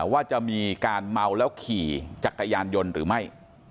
ว่าจะมีการเมาแล้วขี่จักรยานยนต์หรือไม่